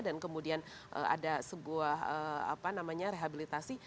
dan kemudian ada sebuah apa namanya rehabilitasi